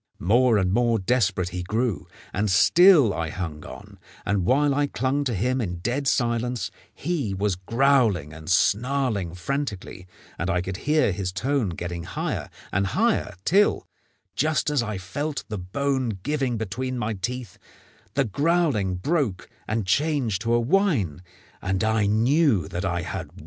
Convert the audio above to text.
More and more desperate he grew, and still I hung on; and while I clung to him in dead silence he was growling and snarling frantically, and I could hear his tone getting higher and higher till, just as I felt the bone giving between my teeth, the growling broke and changed to a whine, and I knew that I had won.